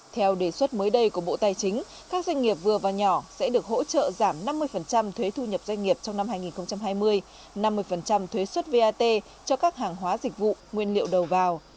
theo đề xuất mới đây của bộ tài chính các doanh nghiệp vừa và nhỏ sẽ được hỗ trợ giảm năm mươi thuế thu nhập doanh nghiệp trong năm hai nghìn hai mươi năm mươi thuế xuất vat cho các hàng hóa dịch vụ nguyên liệu đầu vào